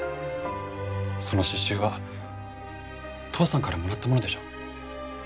その詩集は父さんからもらったものでしょ？